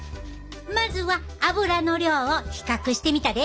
まずは脂の量を比較してみたで。